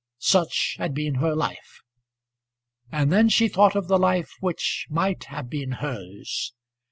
Such had been her life; and then she thought of the life which might have been hers.